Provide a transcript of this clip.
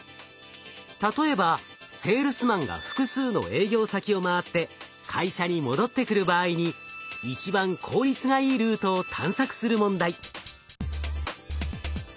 例えばセールスマンが複数の営業先を回って会社に戻ってくる場合に一番効率がいいルートを探索する問題。